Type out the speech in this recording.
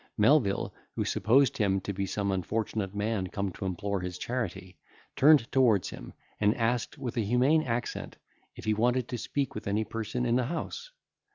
Melvil, who supposed him to be some unfortunate man come to implore his charity, turned towards him, and asked with a humane accent, if he wanted to speak with any person in the house?